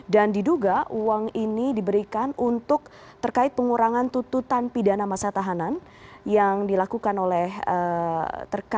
dan diduga uang ini diberikan untuk terkait pengurangan tututan pidana masa tahanan yang dilakukan oleh terkait kasus yang dilakukan oleh pihak pengacara